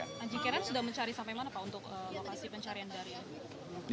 anjing karen sudah mencari sampai mana pak untuk lokasi pencarian dari ini